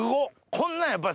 こんなんやっぱり。